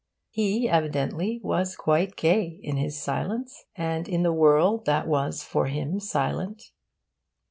He, evidently, was quite gay, in his silence and in the world that was for him silent.